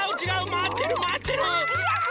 まわってるまわってる！